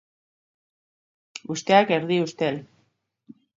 Usteak erdia ustel.